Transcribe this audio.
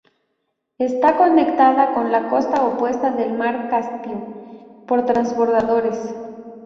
Está conectada con la costa opuesta del mar Caspio por transbordadores.